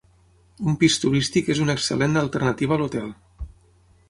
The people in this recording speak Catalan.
Un pis turístic és una excel·lent alternativa a l'hotel.